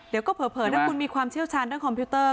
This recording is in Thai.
เดี๋ยวก็เผลอถ้าคุณมีความเชี่ยวชาญเรื่องคอมพิวเตอร์